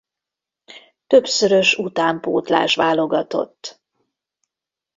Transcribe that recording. Többszörös utánpótlás válogatott.